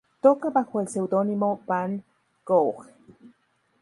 Toca bajo el seudónimo Van Gough.